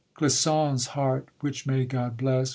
Clisson's heart, which may God bless!